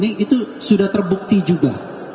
itu sudah terbukti juga